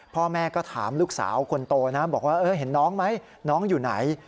พ่อแม่ก็ถามลูกสาวคนโตนะบอกว่าเห็นน้องไหมน้องอยู่ไหน